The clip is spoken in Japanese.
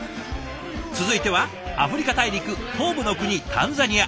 続いてはアフリカ大陸東部の国タンザニア。